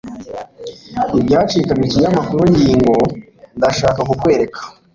i byacikaga ikinyamakuru ngingo ndashaka kukwereka